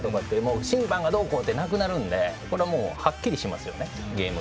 審判がどうこうってなくなるのでゲームがはっきりしますよね。